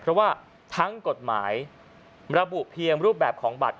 เพราะว่าทั้งกฎหมายระบุเพียงรูปแบบของบัตร